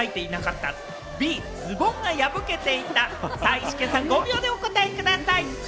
イシケンさん、５秒でお答えください。